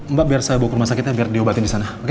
mbak biar saya bawa ke rumah sakitnya biar diobatin di sana